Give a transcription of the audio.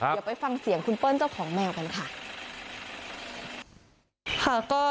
เดี๋ยวไปฟังเสียงคุณเปิ้ลเจ้าของแมวกันค่ะ